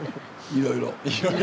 いろいろ。